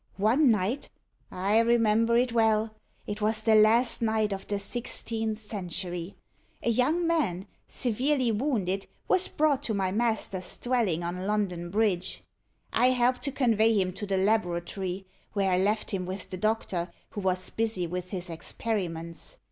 One night I remember it well, it was the last night of the sixteenth century, a young man, severely wounded, was brought to my master's dwelling on London Bridge. I helped to convey him to the laboratory, where I left him with the doctor, who was busy with his experiments.